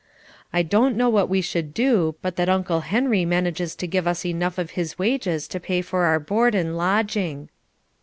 I don't know what we should do but that Uncle Henry manages to give us enough of his wages to pay for our board and lodging.